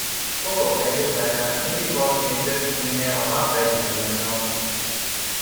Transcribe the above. Tot op heden zijn er in ieder geval geen disciplinaire maatregelen genomen.